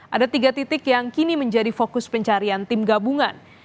ada tiga titik yang kini menjadi fokus pencarian tim gabungan